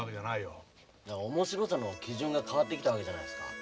だから面白さの基準が変わってきたわけじゃないですか。